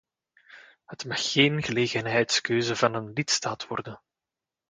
Het mag geen gelegenheidskeuze van een lidstaat worden.